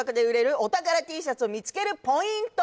お宝Ｔシャツを見つけるポイント